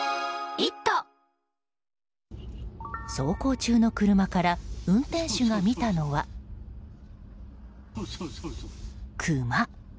走行中の車から運転手が見たのはクマ。